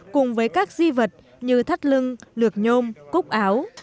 cùng với các di vật như thắt lưng lược nhôm cúc áo